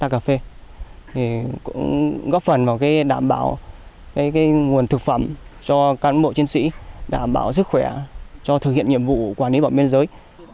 giúp đỡ các cán bộ chiến sĩ đảm bảo sức khỏe thực hiện nhiệm vụ quản lý bọn biên giới